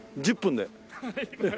１０分で。